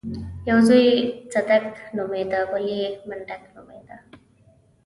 يو زوی يې صدک نومېده بل يې منډک و.